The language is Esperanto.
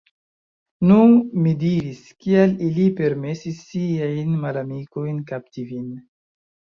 Nu, mi diris, Kial ili permesis siajn malamikojn kapti vin?